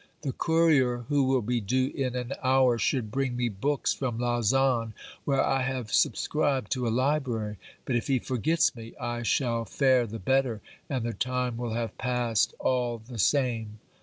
The courier, who will be due in an hour, should bring me books from Lausanne, where I have subscribed to a library ; but if he forgets me, I shall fare the better, and the time will have passed all the same.